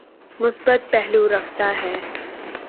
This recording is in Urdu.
مثبت پہلو رکھتا ہے۔